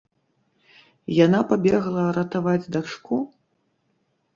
Яна пабегла ратаваць дачку?